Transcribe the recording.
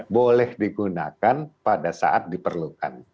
boleh digunakan pada saat diperlukan